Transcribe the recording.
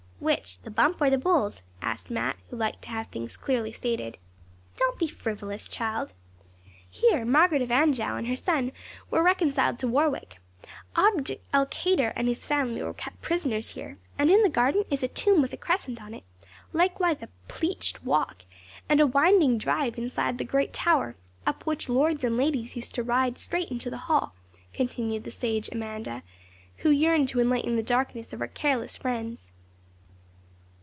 'Which? the bump or the bowls?' asked Mat, who liked to have things clearly stated. 'Don't be frivolous, child. Here Margaret of Anjou and her son were reconciled to Warwick. Abd el Kader and his family were kept prisoners here, and in the garden is a tomb with a crescent on it; likewise a "pleached walk," and a winding drive inside the great tower, up which lords and ladies used to ride straight into the hall,' continued the sage Amanda, who yearned to enlighten the darkness of her careless friends.